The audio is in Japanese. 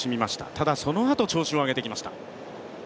ただそのあと調子を上げてきました。